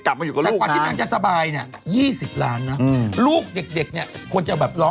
ถ้าอะไรมันไม่ต้องดูแล้ว